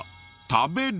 食べる。